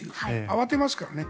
慌てますからね。